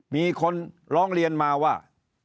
มีคนร้องเรียนมาว่า